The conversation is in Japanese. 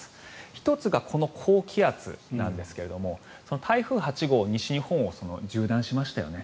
１つがこの高気圧なんですが台風８号西日本を縦断しましたよね。